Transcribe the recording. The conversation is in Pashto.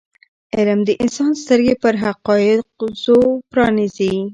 علم د انسان سترګې پر حقایضو پرانیزي.